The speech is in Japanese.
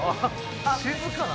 静かな。